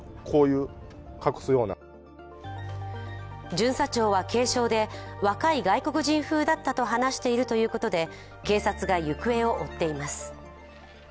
巡査長は軽傷で、若い外国人風だったと話しているということで警察が行方を追っています。